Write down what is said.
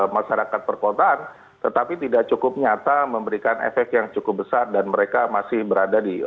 masyarakat perkotaan tetapi tidak cukup nyata memberikan efek yang cukup besar dan mereka masih berada di